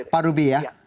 pak rubi ya